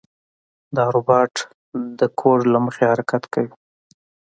دا روبوټ د کوډ له مخې حرکت کوي.